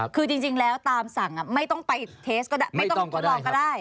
คือจริงแล้วตามสั่งไม่ต้องไปทดสอบก็ได้